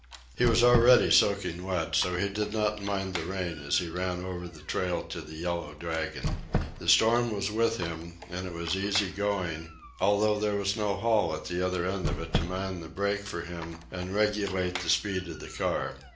He was already soaking wet, so he did not mind the rain as he ran over the trail to the Yellow Dragon. The storm was with him, and it was easy going, although there was no Hall at the other end of it to man the brake for him and regulate the speed of the car.